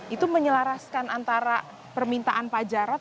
itu menyelaraskan antara permintaan pak jarod